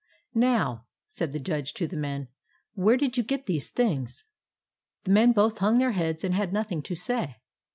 " Now," said the Judge to the men, " where did you get these things ?" The men both hung their heads, and had nothing to say.